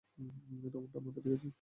তোমার মাথা ঠিক আছে।